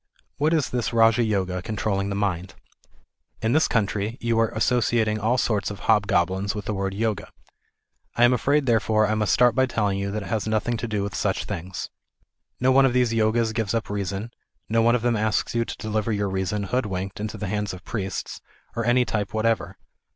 What is this Raja Yoga, controlling the mind ? In this country you are associating all sorts of hobgoblins with the word Yoga. I am afraid, therefore, I must start by telling you 318 THE IDEAL OF A UNIVERSAL RELIGION. that it has nothing to do with such things. No one of these Yogas gives up reason, no1 one of them asks you to deliver your reason, hoodwinked, into the hands of priests, of any type whatever.